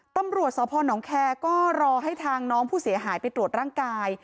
ตำรวจสพนแคร์ก็รอให้ทางน้องผู้เสียหายไปตรวจร่างกาย